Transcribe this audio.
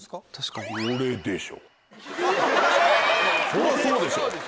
そりゃそうでしょ。